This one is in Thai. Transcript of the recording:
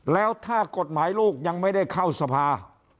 แล้วถ้ากฎหมายลูกยังไม่ได้เข้าสภา